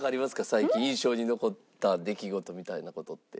最近印象に残った出来事みたいな事って。